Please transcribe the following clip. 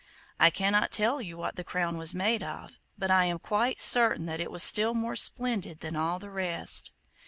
I cannot tell you what the crown was made of, but I am quite certain that it was still more splendid than all the rest.